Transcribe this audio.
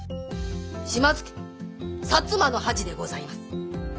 島津家摩の恥でございます。